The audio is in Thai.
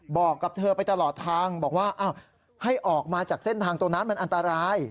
บอกกับเธอไปตลอดทางบอกว่าให้ออกมาจากเส้นทางตรงนั้นมันอันตราย